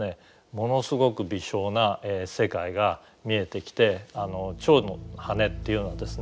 ものすごく微小な世界が見えてきてチョウの羽っていうのはですね